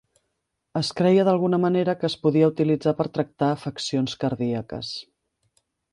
Es creia d"alguna manera que es podia utilitzar per tractar afeccions cardíaques.